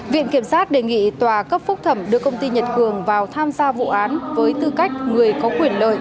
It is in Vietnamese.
viện kiểm sát đề nghị tòa cấp phúc thẩm đưa công ty nhật cường vào tham gia vụ án với tư cách người có quyền lợi